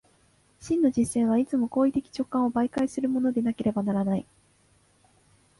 真の実践はいつも行為的直観を媒介するものでなければならない。